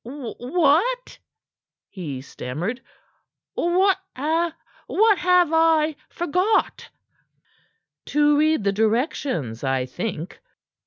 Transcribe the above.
"Wha what?" he stammered. "What have I forgot?" "To read the directions, I think."